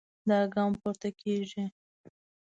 دا ګام پورته کېږي.